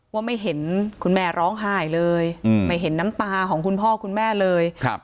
ว่าไม่เห็นคุณแม่ร้องไห้เลยไม่เห็นน้ำตาของคุณพ่อคุณแม่เลยครับ